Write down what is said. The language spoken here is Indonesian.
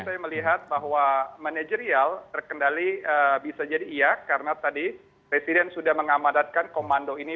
saya melihat bahwa manajerial terkendali bisa jadi iya karena tadi presiden sudah mengamadatkan komando ini